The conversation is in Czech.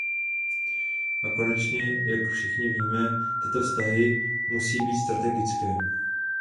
A konečně, jak všichni víme, tyto vztahy musí být strategické.